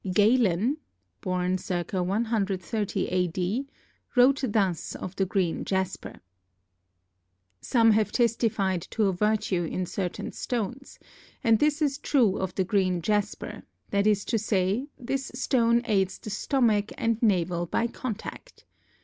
Galen (b. ca. 130 A.D.) wrote thus of the green jasper: Some have testified to a virtue in certain stones, and this is true of the green jasper, that is to say, this stone aids the stomach and navel by contact.